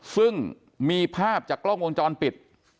ซึ่งมีภาพจากกล้องวงจรปิด